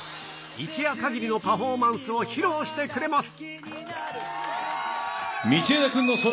一夜限りのパフォーマンスを披露してくれます。